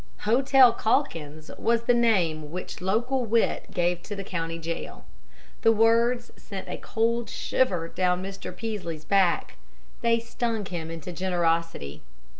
"Hotel Calkins" was the name which local wit gave to the county jail. The words sent a cold shiver down Mr. Peaslee's back. They stung him into generosity.